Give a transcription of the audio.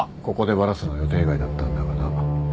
ここでバラすのは予定外だったんだがな。